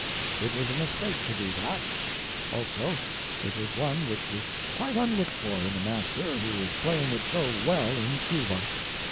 It was a mistake to do that ; also, it was one which was quite unlooked for in a Master who was playing it so well in Cuba.